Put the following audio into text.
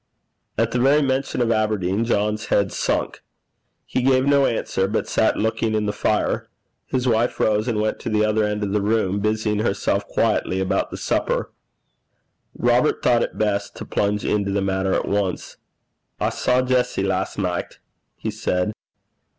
At the very mention of Aberdeen, John's head sunk. He gave no answer, but sat looking in the fire. His wife rose and went to the other end of the room, busying herself quietly about the supper. Robert thought it best to plunge into the matter at once. 'I saw Jessie last nicht,' he said.